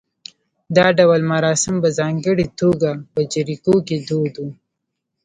دا ډول مراسم په ځانګړې توګه په جریکو کې دود و